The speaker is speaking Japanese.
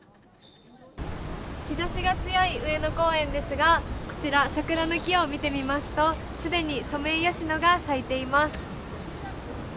日ざしが強い上野公園ですが、こちら、桜の木を見てみますと、すでにソメイヨシノが咲いています。